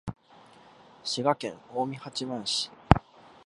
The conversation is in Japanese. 滋賀県近江八幡市